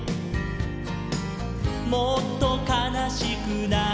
「もっとかなしくなって」